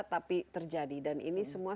tapi terjadi dan ini semua